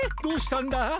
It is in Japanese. どうしたんだ？